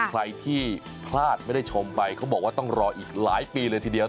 ใครที่พลาดไม่ได้ชมไปเขาบอกว่าต้องรออีกหลายปีเลยทีเดียว